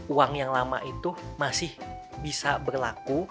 uang yang lama itu masih bisa berlaku